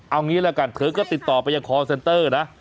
เอางี้ละกันเธอก็ติดต่อไปยังคอร์เซนเตอร์นะ